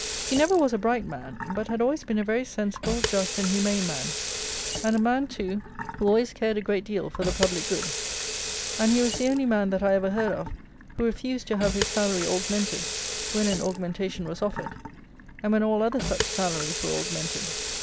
He never was a bright man; but had always been a very sensible, just and humane man, and a man too who always cared a great deal for the public good; and he was the only man that I ever heard of, who refused to have his salary augmented, when an augmentation was offered, and when all other such salaries were augmented.